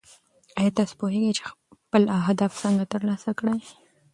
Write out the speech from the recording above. ایا تاسو پوهېږئ چې خپل اهداف څنګه ترلاسه کړئ؟